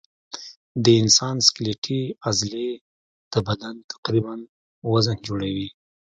د انسان سکلیټي عضلې د بدن تقریباً وزن جوړوي.